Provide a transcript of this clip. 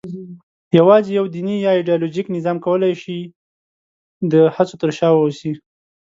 یواځې یوه دیني یا ایدیالوژیک نظام کولای شوای د هڅو تر شا واوسي.